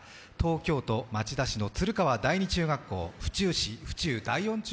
東京都町田市の鶴川第二中学校、府中市府中